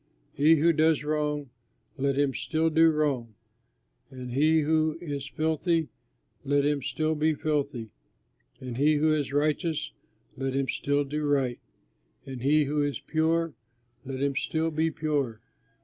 He who does wrong, let him still do wrong, and he who is filthy, let him still be filthy, and he who is righteous, let him still do right, and he who is pure, let him still be pure.